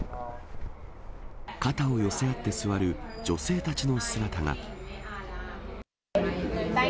肩を寄せ合って座る女性たちの姿が。